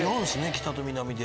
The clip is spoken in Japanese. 北と南で。